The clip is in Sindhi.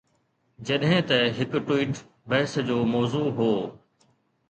جڏهن ته هڪ ٽوئيٽ بحث جو موضوع هو.